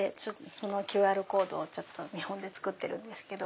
このＱＲコードを見本で作ってるんですけど。